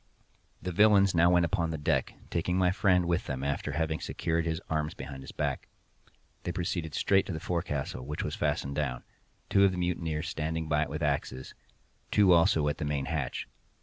The villains now went upon deck, taking my friend with them after having secured his arms behind his back. They proceeded straight to the forecastle, which was fastened down—two of the mutineers standing by it with axes—two also at the main hatch.